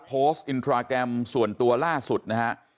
โพสต์อินสตราแกรมส่วนตัวล่าสุดนะฮะ